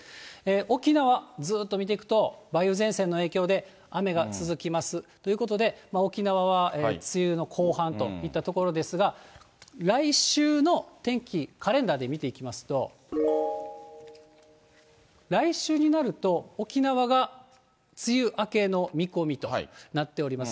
沖縄、ずっと見ていくと、梅雨前線の影響で、雨が続きます。ということで、沖縄は梅雨の後半といったところですが、来週の天気、カレンダーで見ていきますと、来週になると、沖縄が梅雨明けの見込みとなっております。